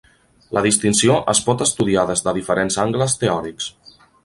La distinció es pot estudiar des de diferents angles teòrics.